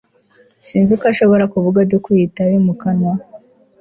sinzi uko ashobora kuvuga adakuye itabi mu kanwa